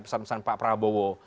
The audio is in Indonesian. pesan pesan pak prabowo